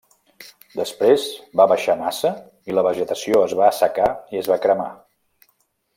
Després va baixar massa, i la vegetació es va assecar i es va cremar.